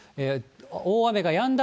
大雨がやんだ